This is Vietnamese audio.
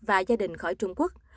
và gia đình khỏi trung quốc